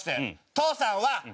父さんは外！